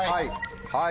はい。